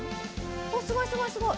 おすごいすごいすごい！